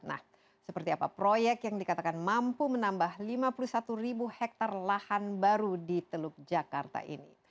nah seperti apa proyek yang dikatakan mampu menambah lima puluh satu ribu hektare lahan baru di teluk jakarta ini